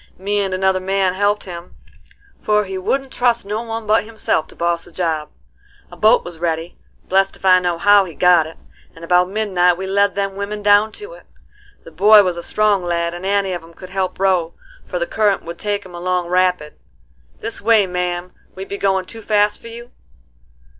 Me and another man helped him, for he wouldn't trust no one but himself to boss the job. A boat was ready,—blest if I know how he got it,—and about midnight we led them women down to it. The boy was a strong lad, and any of 'em could help row, for the current would take 'em along rapid. This way, ma'am; be we goin' too fast for you?"